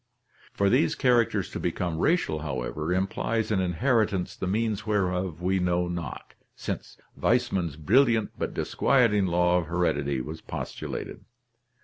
For these characters to become racial, however, implies an inheritance the means whereof we know not, since Weismann's brilliant but disquieting law of heredity was postulated.